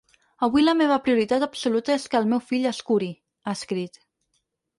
“Avui la meva prioritat absoluta és que el meu fill es curi”, ha escrit.